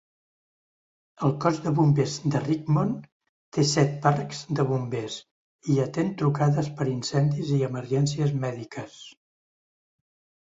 El Cos de Bombers de Richmond té set parcs de bombers i atén trucades per incendis i emergències mèdiques.